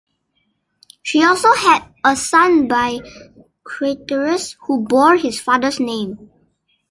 She also had a son by Craterus, who bore his father's name.